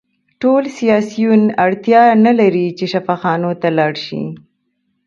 ټول سیاسیون اړتیا نلري چې شفاخانو ته لاړ شي